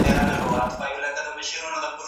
شاه شجاع به یو شهزاده د مهاراجا مخي ته ور لیږي.